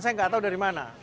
saya nggak tahu dari mana